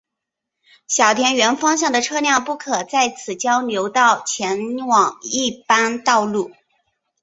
小田原方向的车辆不可在此交流道前往一般道路。